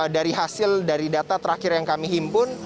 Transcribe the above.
dari hasil dari data terakhir yang kami himpun